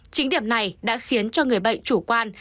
chính điểm này đã khiến cho người bệnh chủ quan